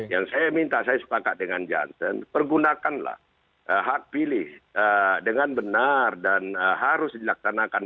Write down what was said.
yang saya minta saya sepakat dengan jansen pergunakanlah hak pilih dengan benar dan harus dilaksanakan